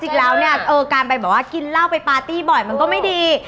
จริงแล้วเนี่ยการไปแบบว่ากินเหล้าไปปาร์ตี้บ่อยมันก็ไม่ดี